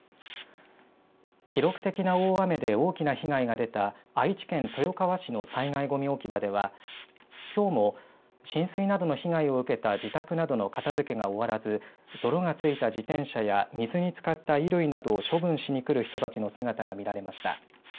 記録的な大雨で大きな被害が出た愛知県豊川市の災害ごみ置き場ではきょうも浸水などの被害を受けた自宅などの片づけが終わらず泥が付いた自転車や水につかった衣類などを処分しに来る人たちの姿が見られました。